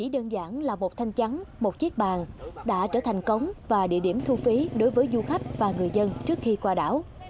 đảng là một thanh trắng một chiếc bàn đã trở thành cống và địa điểm thu phí đối với du khách và người dân trước khi qua đảo